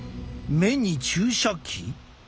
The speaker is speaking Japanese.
目に注射器！？